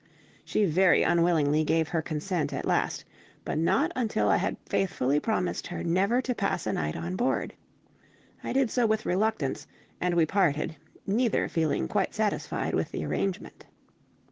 She very unwillingly gave her consent at last, but not until I had faithfully promised never to pass a night on board. I did so with reluctance, and we parted, neither feeling quite satisfied with the arrangement.